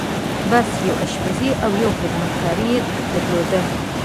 بس! يو آشپز او يو خدمتګار يې درلود.